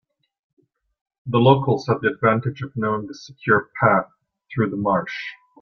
The locals had the advantage of knowing the secure path through the marsh.